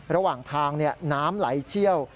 ระหว่างทางน้ำไหลเชี่ยว